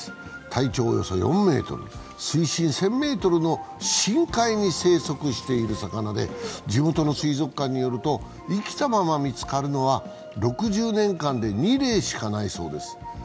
体長はおよそ４ｍ、水深１０００ｍの深海に生息している魚で地元の水族館によると生きたまま見つかるのは６０年間で２例しかないそうです。